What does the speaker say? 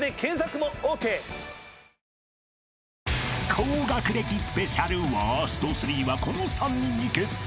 ［高学歴スペシャルワーストスリーはこの３人に決定］